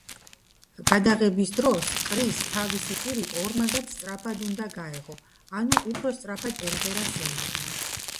გადაღების დროს კრისს თავისი პირი ორმაგად სწრაფად უნდა გაეღო, ანუ უფრო სწრაფად ემღერა სიმღერა.